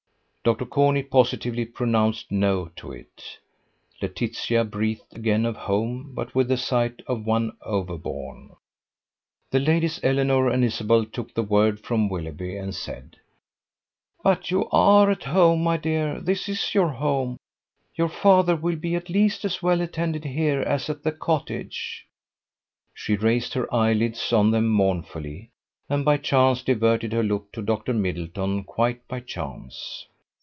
Dr Corney positively pronounced No to it. Laetitia breathed again of home, but with the sigh of one overborne. The ladies Eleanor and Isabel took the word from Willoughby, and said: "But you are at home, my dear. This is your home. Your father will be at least as well attended here as at the cottage." She raised her eyelids on them mournfully, and by chance diverted her look to Dr. Middleton, quite by chance.